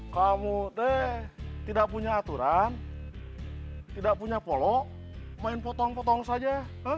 kamu deh tidak punya aturan tidak punya polo main potong potong saja